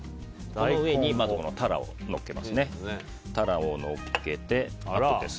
この上にタラをまずのっけます。